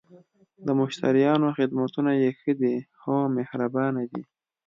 د مشتریانو خدمتونه یی ښه ده؟ هو، مهربانه دي